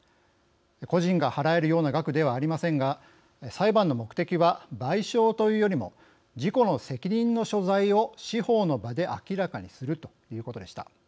個人が払えるような額ではありませんが裁判の目的は賠償というよりも事故の責任の所在を司法の場で明らかにするということでした。